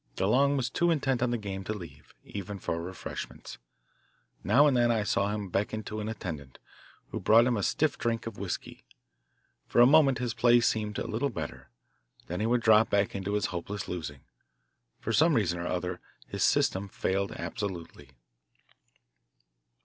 DeLong was too intent on the game to leave, even for refreshments. Now and then I saw him beckon to an attendant, who brought him a stiff drink of whiskey. For a moment his play seemed a little better, then he would drop back into his hopeless losing. For some reason or other his "system" failed absolutely.